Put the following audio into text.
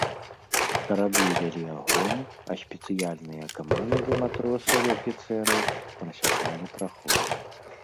Караблі вялі агонь, а спецыяльныя каманды матросаў і афіцэраў прасякалі праход.